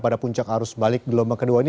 pada puncak arus balik gelombang kedua ini